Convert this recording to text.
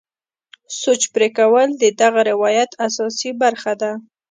سوچ پرې کول د دغه روایت اساسي برخه ده.